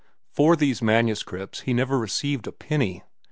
For these manuscripts he never received a penny.